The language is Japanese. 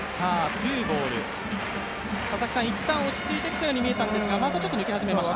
一旦落ち着いてきたように見えたんですが、またちょっと抜け始めました。